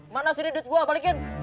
mana sini duit gua balikin